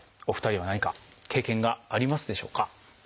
お二人は何か経験がありますでしょうか？